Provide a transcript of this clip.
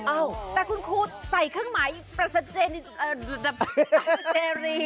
อ้าวแต่คุณครูใส่เครื่องหมายประสาทเจริอ่าประสาทเจริ